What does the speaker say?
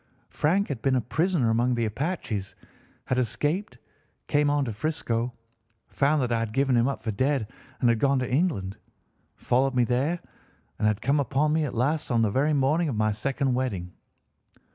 Frank had been a prisoner among the Apaches, had escaped, came on to 'Frisco, found that I had given him up for dead and had gone to England, followed me there, and had come upon me at last on the very morning of my second wedding."